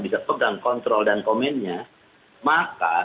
bisa pegang kontrol dan komennya maka